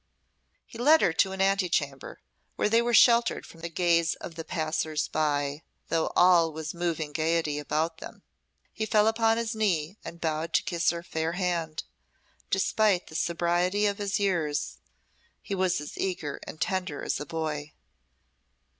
He led her to an antechamber, where they were sheltered from the gaze of the passers by, though all was moving gaiety about them. He fell upon his knee and bowed to kiss her fair hand. Despite the sobriety of his years, he was as eager and tender as a boy.